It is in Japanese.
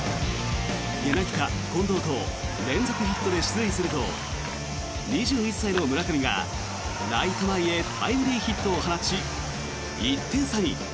柳田、近藤と連続ヒットで出塁すると２１歳の村上がライト前へタイムリーヒットを放ち１点差に。